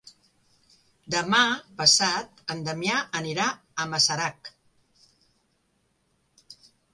Demà passat en Damià anirà a Masarac.